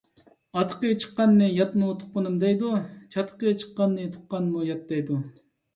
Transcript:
ئاتىقى چىققاننى ياتمۇ تۇغقىنىم دەيدۇ، چاتىقى چىققاننى تۇغقانمۇ يات دەيدۇ.